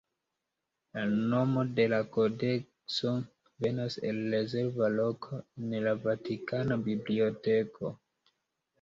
La nomo de la kodekso venas el rezerva loko en la Vatikana biblioteko.